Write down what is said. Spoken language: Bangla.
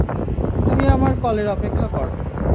তুমি আমার কলের অপেক্ষা কর।